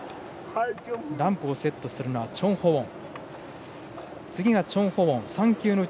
ランプをセットするのはチョン・ホウォン。